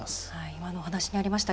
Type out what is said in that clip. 今のお話にありました